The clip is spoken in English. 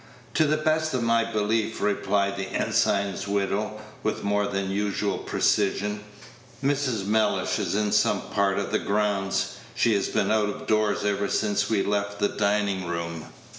"To the best of my belief," replied the ensign's widow, with more than usual precision, "Mrs. Mellish is in some part of the grounds; she has been out of doors ever since we left the dining room."